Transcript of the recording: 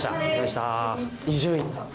伊集院さん。